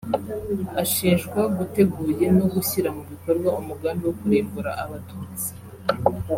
Ashinjwa guteguye no gushyira mu bikorwa umugambi wo kurimbura Abatutsi